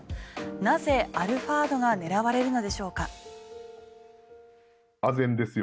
なぜ、アルファードが狙われるのでしょうか？